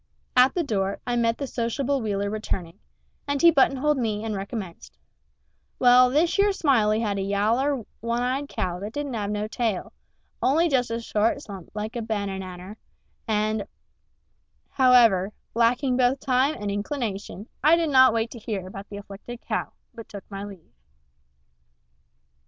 At the door I met the sociable Wheeler returning, and he buttonholed me and recommenced: "Well, thish yer Smiley had a yaller, one eyed cow that didn't have no tail, only just a short stump like a bannanner, and " However, lacking both time and inclination, I did not wait to hear about the afflicted cow, but took my leave.